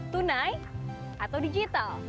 tunai atau digital